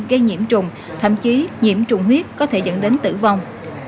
gây nhiễm trùng thậm chí nhiễm trùng huyết có thể dẫn đến tử vong